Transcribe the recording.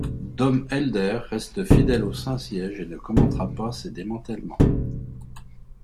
Dom Hélder reste fidèle au Saint-Siège et ne commentera pas ces démantèlements.